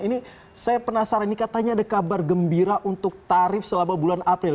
ini saya penasaran ini katanya ada kabar gembira untuk tarif selama bulan april